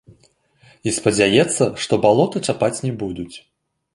І спадзяецца, што балоты чапаць не будуць.